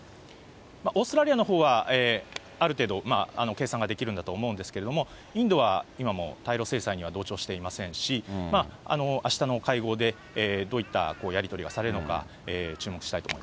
オーストラリアのほうはある程度、計算ができると思うんですけれども、インドは今も対ロ制裁には同調していませんし、あしたの会合でどういったやり取りがされるのか、注目したいと思